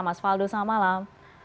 mas faldo selamat malam